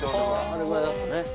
あれぐらいだったね